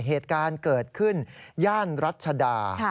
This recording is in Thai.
เหตุการณ์เกิดขึ้นย่านรัชดา